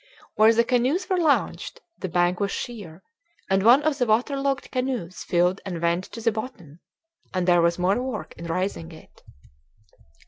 Where the canoes were launched, the bank was sheer, and one of the water logged canoes filled and went to the bottom; and there was more work in raising it.